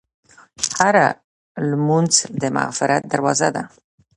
هره لمونځ د مغفرت دروازه ده.